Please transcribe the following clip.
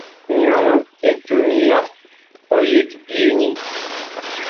Nyɔŋ etuŋ ya, ɔ yig yeŋee.